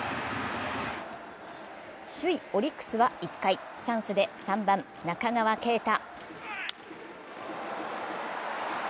首位・オリックスは１回、チャンスで３番・中川圭太。